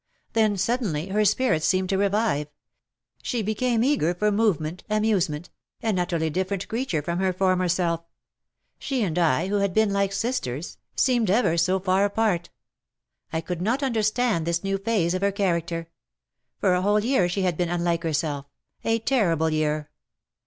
Then, suddenly, her spirits seemed to revive — she became eager for movement, amuse ment — an utterly different creature from her former self. She and I, who had been like sisters, seemed 288 ever so far apart. I could not understand this new phase of her character. For a whole year she has been unlike herself — a terrible year.